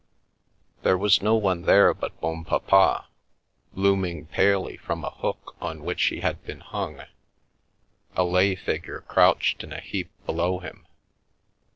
There was no one there but Bonpapa, looming palely from a hook on which he had been hung, a lay figure crouched in a heap below him.